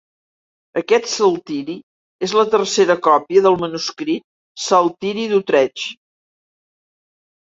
Aquest Saltiri és la tercera còpia del manuscrit Saltiri d'Utrecht.